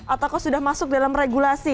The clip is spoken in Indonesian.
atau sudah masuk dalam regulasi